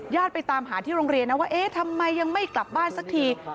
ไปตามหาที่โรงเรียนนะว่าเอ๊ะทำไมยังไม่กลับบ้านสักที